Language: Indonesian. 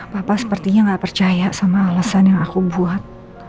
papa sepertinya nggak percaya sama alasan yang aku buat